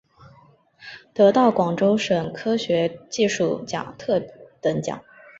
得到广东省科学技术奖特等奖。